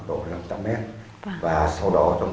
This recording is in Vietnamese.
kế hoạch xây dựng